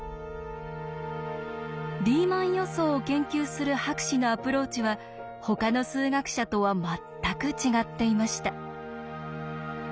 リーマン予想を研究する博士のアプローチはほかの数学者とは全く違っていました。